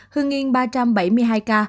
hương yên ba trăm bảy mươi hai ca